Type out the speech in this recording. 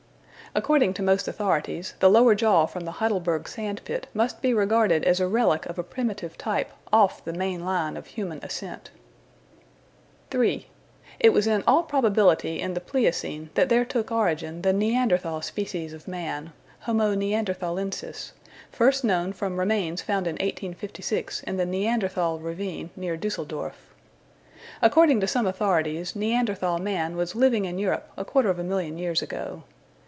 According to most authorities the lower jaw from the Heidelberg sand pit must be regarded as a relic of a primitive type off the main line of human ascent. [Illustration: A RECONSTRUCTION OF THE JAVA MAN (Pithecanthropus erectus.)] 3. It was in all probability in the Pliocene that there took origin the Neanderthal species of man, Homo neanderthalensis, first known from remains found in 1856 in the Neanderthal ravine near Düsseldorf. According to some authorities Neanderthal man was living in Europe a quarter of a million years ago.